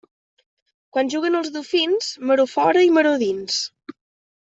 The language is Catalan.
Quan juguen els dofins, maror fora i maror dins.